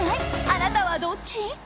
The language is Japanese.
あなたは、どっち？